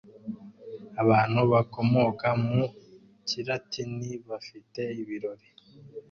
Abantu bakomoka mu kilatini bafite ibirori